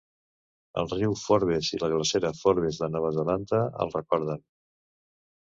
El Riu Forbes i la glacera Forbes de Nova Zelanda, el recorden.